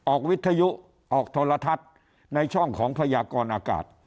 วิทยุออกโทรทัศน์ในช่องของพยากรอากาศ